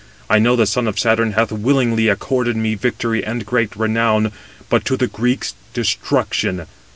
I know the son of Saturn hath willingly accorded me victory and great renown, but to the Greeks destruction.